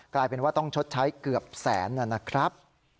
กลายเป็นว่าต้องชดใช้เกือบแสนนะครับ